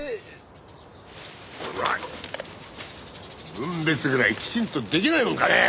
分別ぐらいきちんとできないもんかねえ！